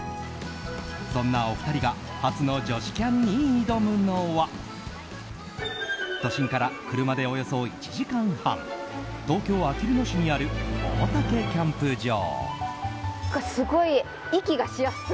そんなお二人が初の女子キャンに挑むのは都心から車でおよそ１時間半東京・あきる野市にある大岳キャンプ場。